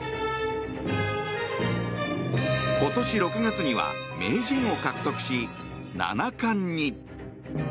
今年６月には名人を獲得し七冠に。